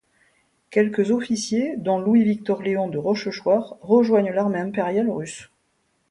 Quelques officiers, dont Louis-Victor-Léon de Rochechouart, rejoignent l’armée impériale russe.